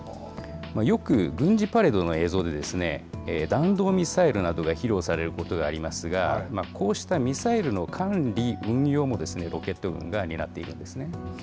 よく軍事パレードの映像で、弾道ミサイルなどが披露されることがありますが、こうしたミサイルの管理・運用もロケット軍が担っているんですね。